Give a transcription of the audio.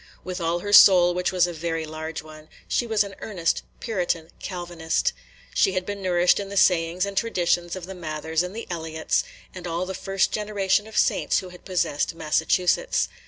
With all her soul, which was a very large one, she was an earnest Puritan Calvinist. She had been nourished in the sayings and traditions of the Mathers and the Eliots, and all the first generation of the saints who had possessed Massachusetts.